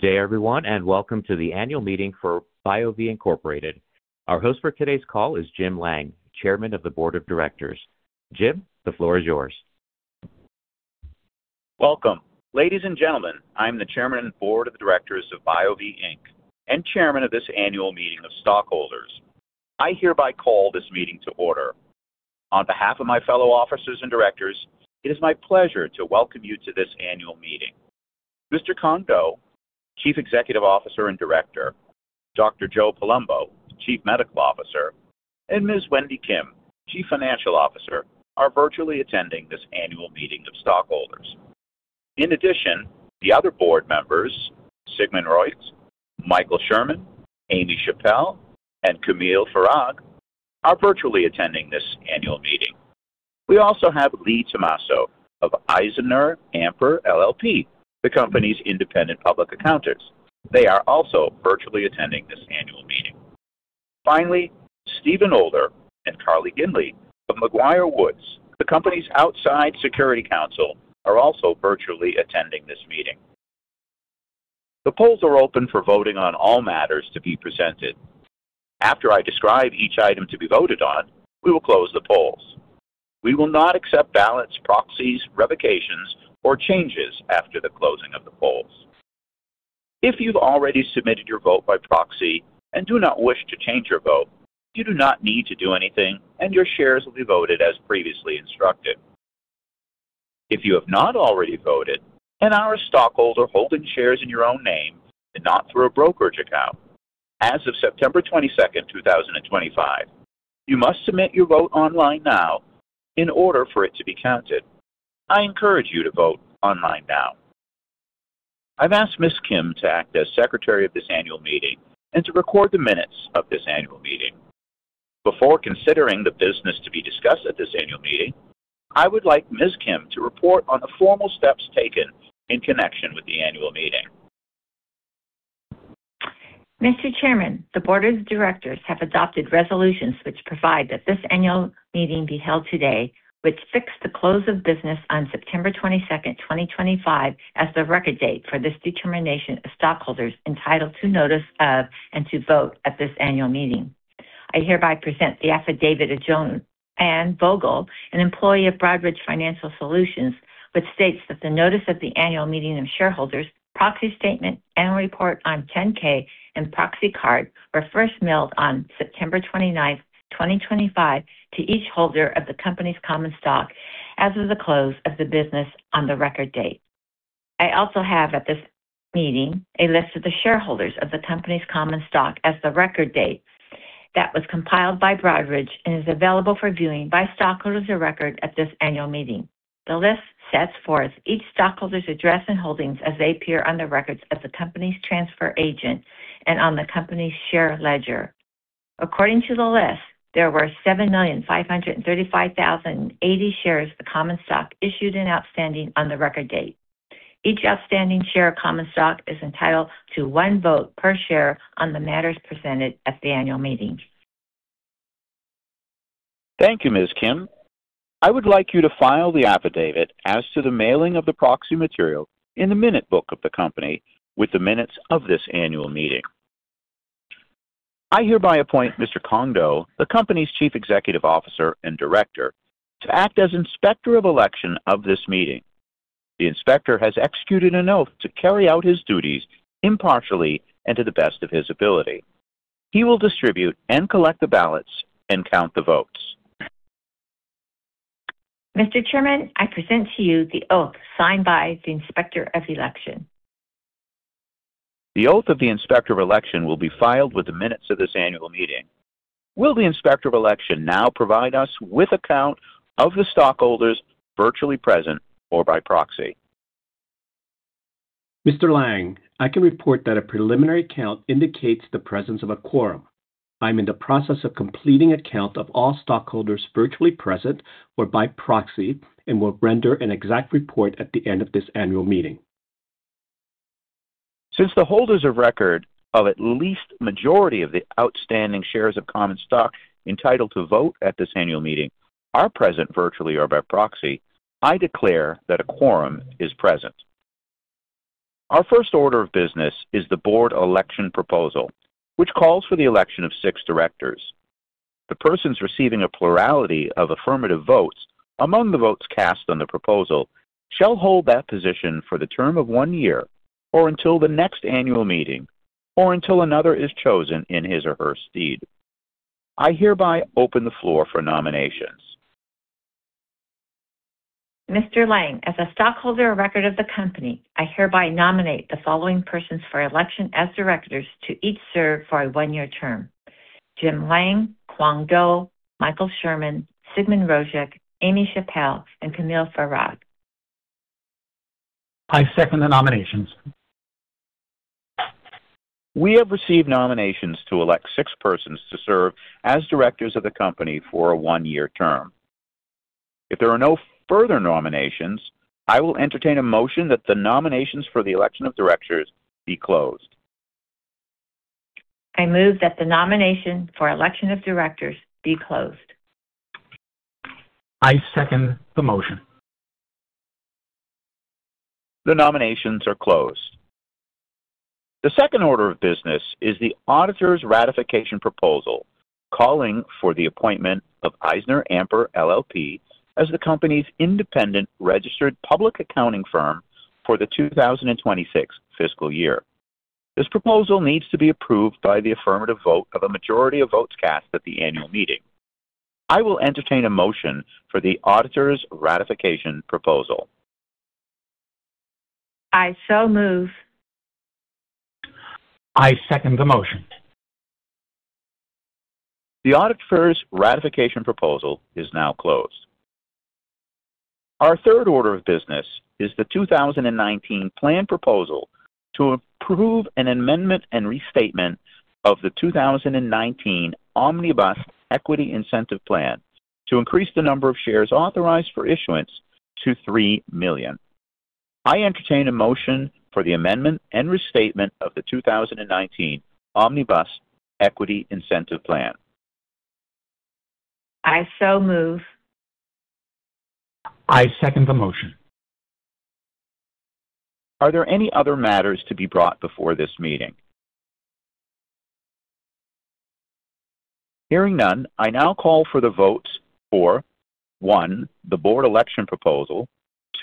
Good day, everyone, and welcome to the annual meeting for BioVie, Inc. Our host for today's call is Jim Lang, Chairman of the Board of Directors. Jim, the floor is yours. Welcome. Ladies and gentlemen, I am the Chairman and Board of Directors of BioVie, Inc and Chairman of this annual meeting of stockholders. I hereby call this meeting to order. On behalf of my fellow officers and directors, it is my pleasure to welcome you to this annual meeting. Mr. Cuong Do, Chief Executive Officer and Director; Dr. Joe Palumbo, Chief Medical Officer; and Ms. Wendy Kim, Chief Financial Officer, are virtually attending this annual meeting of stockholders. In addition, the other board members—Sigmund Rogich, Michael Sherman, Amy Chappell, and Kameel Farag—are virtually attending this annual meeting. We also have Lee Tomasso of EisnerAmper, LLP, the company's independent public accountant. They are also virtually attending this annual meeting. Finally, Stephen Older and Carly Ginley of McGuireWoods, the company's outside security counsel, are also virtually attending this meeting. The polls are open for voting on all matters to be presented. After I describe each item to be voted on, we will close the polls. We will not accept ballots, proxies, revocations, or changes after the closing of the polls. If you've already submitted your vote by proxy and do not wish to change your vote, you do not need to do anything, and your shares will be voted as previously instructed. If you have not already voted and are a stockholder holding shares in your own name and not through a brokerage account, as of September 22nd, 2025, you must submit your vote online now in order for it to be counted. I encourage you to vote online now. I've asked Ms. Kim to act as Secretary of this annual meeting and to record the minutes of this annual meeting. Before considering the business to be discussed at this annual meeting, I would like Ms. Kim to report on the formal steps taken in connection with the annual meeting. Mr. Chairman, the Board of Directors have adopted resolutions which provide that this annual meeting be held today, which fixed the close of business on September 22nd, 2025, as the record date for this determination of stockholders entitled to notice of and to vote at this annual meeting. I hereby present the affidavit of Joanne Vogel, an employee of Broadridge Financial Solutions, which states that the notice of the annual meeting of shareholders, proxy statement, and report on 10-K and proxy card were first mailed on September 29th, 2025, to each holder of the company's common stock as of the close of the business on the record date. I also have at this meeting a list of the shareholders of the company's common stock as the record date that was compiled by Broadridge and is available for viewing by stockholders of record at this annual meeting. The list sets forth each stockholder's address and holdings as they appear on the records of the company's transfer agent and on the company's share ledger. According to the list, there were 7,535,080 shares of common stock issued and outstanding on the record date. Each outstanding share of common stock is entitled to one vote per share on the matters presented at the annual meeting. Thank you, Ms. Kim. I would like you to file the affidavit as to the mailing of the proxy material in the minute book of the company with the minutes of this annual meeting. I hereby appoint Mr. Cuong Do, the company's Chief Executive Officer and Director, to act as Inspector of Election of this meeting. The Inspector has executed an oath to carry out his duties impartially and to the best of his ability. He will distribute and collect the ballots and count the votes. Mr. Chairman, I present to you the oath signed by the Inspector of Election. The oath of the Inspector of Election will be filed with the minutes of this annual meeting. Will the Inspector of Election now provide us with account of the stockholders virtually present or by proxy? Mr. Lang, I can report that a preliminary count indicates the presence of a quorum. I'm in the process of completing a count of all stockholders virtually present or by proxy and will render an exact report at the end of this annual meeting. Since the holders of record of at least the majority of the outstanding shares of common stock entitled to vote at this annual meeting are present virtually or by proxy, I declare that a quorum is present. Our first order of business is the Board Election Proposal, which calls for the election of six directors. The persons receiving a plurality of affirmative votes among the votes cast on the proposal shall hold that position for the term of one year or until the next annual meeting or until another is chosen in his or her stead. I hereby open the floor for nominations. Mr. Lang, as a stockholder of record of the company, I hereby nominate the following persons for election as directors to each serve for a one-year term: Jim Lang, Cuong Do, Michael Sherman, Sigmund Rojich, Amy Chappelle, and Kameel Farag. I second the nominations. We have received nominations to elect six persons to serve as directors of the company for a one-year term. If there are no further nominations, I will entertain a motion that the nominations for the election of directors be closed. I move that the nomination for election of directors be closed. I second the motion. The nominations are closed. The second order of business is the auditor's ratification proposal calling for the appointment of EisnerAmper, LLP, as the company's independent registered public accounting firm for the 2026 fiscal year. This proposal needs to be approved by the affirmative vote of a majority of votes cast at the annual meeting. I will entertain a motion for the auditor's ratification proposal. I so move. I second the motion. The auditor's ratification proposal is now closed. Our third order of business is the 2019 plan proposal to approve an amendment and restatement of the 2019 Omnibus Equity Incentive Plan to increase the number of shares authorized for issuance to 3 million. I entertain a motion for the amendment and restatement of the 2019 Omnibus Equity Incentive Plan. I so move. I second the motion. Are there any other matters to be brought before this meeting? Hearing none, I now call for the votes for: one, the Board Election Proposal;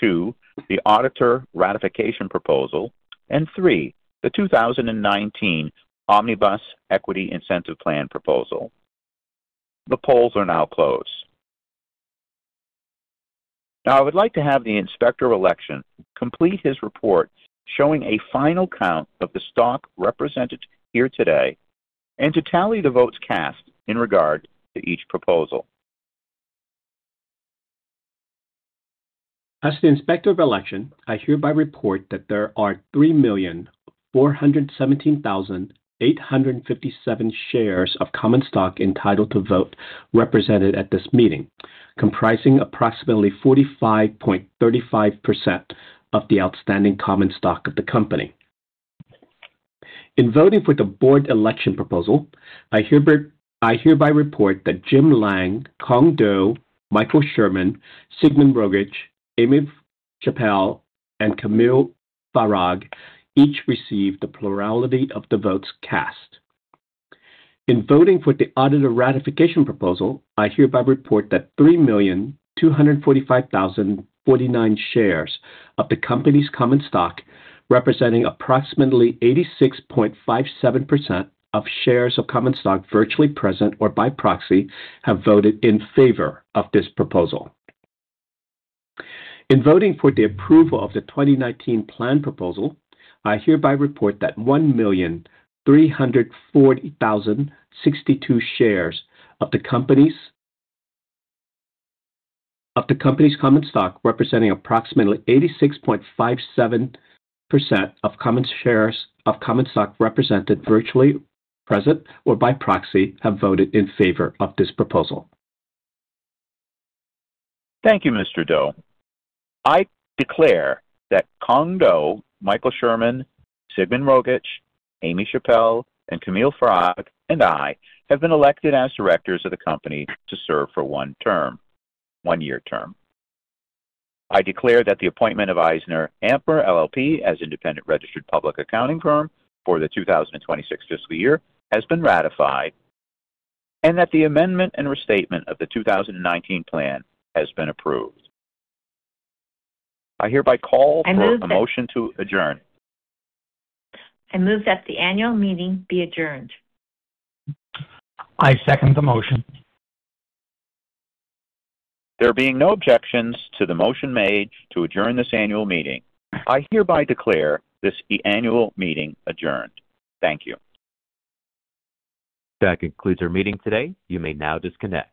two, the Auditor Ratification Proposal; and three, the 2019 Omnibus Equity Incentive Plan Proposal. The polls are now closed. Now, I would like to have the Inspector of Election complete his report showing a final count of the stock represented here today and to tally the votes cast in regard to each proposal. As the Inspector of Election, I hereby report that there are 3,417,857 shares of common stock entitled to vote represented at this meeting, comprising approximately 45.35% of the outstanding common stock of the company. In voting for the Board Election Proposal, I hereby report that Jim Lang, Cuong Do, Michael Sherman, Sigmund Rojich, Amy Chappell, and Kameel Farag each received the plurality of the votes cast. In voting for the Auditor Ratification Proposal, I hereby report that 3,245,049 shares of the company's common stock, representing approximately 86.57% of shares of common stock virtually present or by proxy, have voted in favor of this proposal. In voting for the approval of the 2019 plan proposal, I hereby report that 1,340,062 shares of the company's common stock, representing approximately 86.57% of common shares of common stock represented virtually present or by proxy, have voted in favor of this proposal. Thank you, Mr. Do. I declare that Cuong Do, Michael Sherman, Sigmund Rojich, Amy Chappell, and Kameel Farag, and I have been elected as directors of the company to serve for one year. I declare that the appointment of EisnerAmper, LLP, as independent registered public accounting firm for the 2026 fiscal year has been ratified and that the amendment and restatement of the 2019 plan has been approved. I hereby call for a motion to adjourn. I move that the annual meeting be adjourned. I second the motion. There being no objections to the motion made to adjourn this annual meeting, I hereby declare this annual meeting adjourned. Thank you. That concludes our meeting today. You may now disconnect.